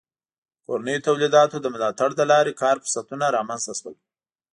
د کورنیو تولیداتو د ملاتړ له لارې کار فرصتونه رامنځته شول.